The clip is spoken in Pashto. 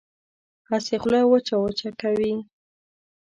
هسې خوله وچه وچه کوي.